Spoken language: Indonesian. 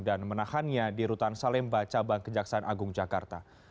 dan menahannya di rutan salemba cabang kejaksaan agung jakarta